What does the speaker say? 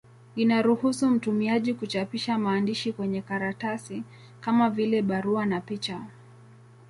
Inaruhusu mtumiaji kuchapisha maandishi kwenye karatasi, kama vile barua na picha.